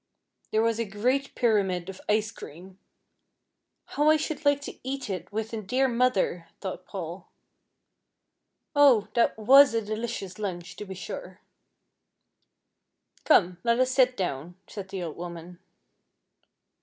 There was a great pyramid of ice cream. "How I should like to eat it with the dear mother!" thought Paul. Oh! that was a delicious lunch, to be sure! "Come, let us sit down," said the old woman.